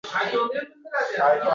Kuzda sovuq qotishningoltisababi